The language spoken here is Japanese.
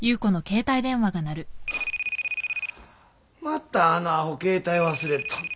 またあのアホ携帯忘れとんねん。